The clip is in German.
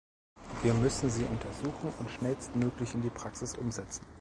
Wir müssen sie untersuchen und schnellstmöglich in die Praxis umsetzen.